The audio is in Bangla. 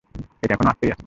এটা এখনও আস্তই আছে!